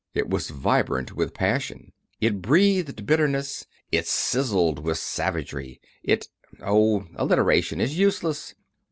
It was vibrant with passion. It breathed bitterness. It sizzled with savagery. It Oh, alliteration is useless.